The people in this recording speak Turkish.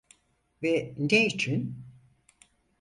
Ve ne için?